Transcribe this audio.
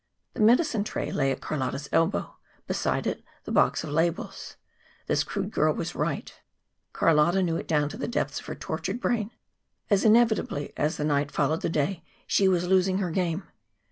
The medicine tray lay at Carlotta's elbow; beside it the box of labels. This crude girl was right right. Carlotta knew it down to the depths of her tortured brain. As inevitably as the night followed the day, she was losing her game.